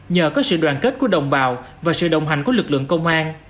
nhờ có sự đoàn kết của đồng bào và sự đồng hành của lực lượng công an